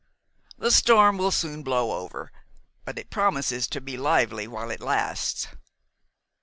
The storm will soon blow over; but it promises to be lively while it lasts."